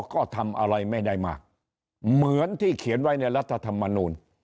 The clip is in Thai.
ก็ทำอะไรไม่ได้มากเหมือนที่เขียนไว้ในรัฐธรรมนูล